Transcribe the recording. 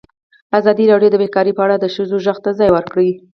ازادي راډیو د بیکاري په اړه د ښځو غږ ته ځای ورکړی.